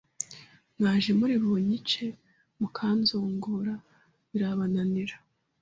mwaje muri bunyice mukanzungura birabananira,